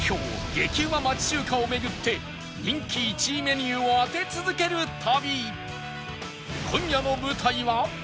激うま町中華を巡って人気１位メニューを当て続ける旅